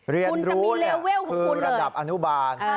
เรียนรู้คือระดับอนุบาล